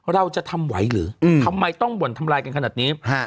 เราจะทำไหวหรือทำไมต้องบ่อนทำลายกันขนาดนี้